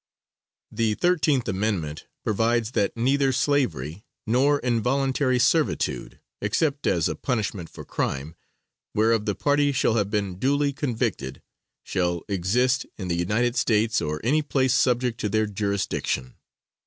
The 13th amendment provides that neither slavery nor involuntary servitude, except as a punishment for crime, whereof the party shall have been duly convicted, shall exist in the United States or any place subject to their jurisdiction.